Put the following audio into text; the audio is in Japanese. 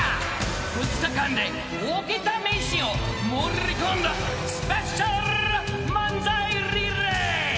２日間で起きた名シーンを盛り込んだスペシャル漫才リレー。